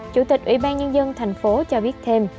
chủ tịch ubnd tp hcm cho biết thêm